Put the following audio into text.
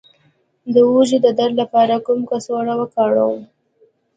د اوږې د درد لپاره کومه کڅوړه وکاروم؟